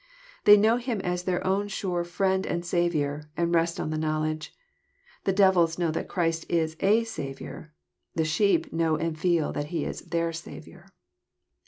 They know Him as their own sure Friend and Saviour, and rest on the knowledge. The devils know that Christ is a Saylonr. The sheep know and feel that He is their Saviour.